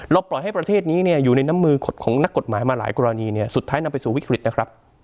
ปล่อยให้ประเทศนี้เนี่ยอยู่ในน้ำมือของนักกฎหมายมาหลายกรณีเนี่ยสุดท้ายนำไปสู่วิกฤตนะครับ